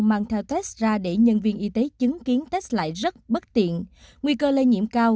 mang theo test ra để nhân viên y tế chứng kiến test lại rất bất tiện nguy cơ lây nhiễm cao